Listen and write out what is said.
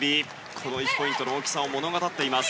この１ポイントの大きさを物語っています。